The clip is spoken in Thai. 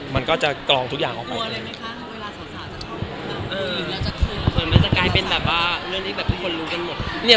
มันก็จะกรองทุกอย่างออกมา